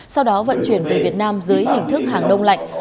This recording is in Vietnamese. sau đó vận chuyển về việt nam dưới hình thức hàng đông lạnh